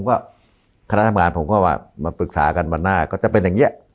และผมก็ขนาดทำงานผมก็ว่ามาปรึกษากันมาหน้าก็จะเป็นอย่างเงี้ย